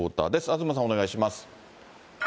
東さん、お願いします。